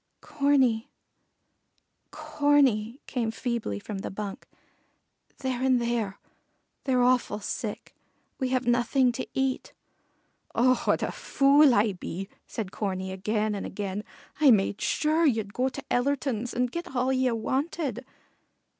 "Corney Corney," came feebly from the bunk. "They're in there. They're awful sick. We have nothing to eat." "Oh, what a fool I be!" said Corney again and again. "I made sure ye'd go to Ellerton's and get all ye wanted."